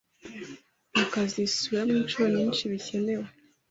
Nyoko azabisubiramo inshuro nyinshi bikenewe.